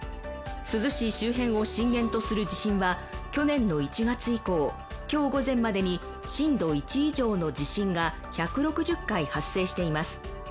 珠洲市周辺を震源とする地震は去年の１月以降、今日午前までに、震度１以上の地震が１６０回発生しています。